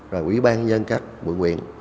rồi quỹ ban nhân các bụi nguyện